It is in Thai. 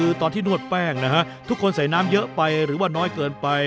คือตอนที่นวดแป้งนะฮะทุกคนใส่น้ำเยอะไปหรือว่าน้อยเกินไป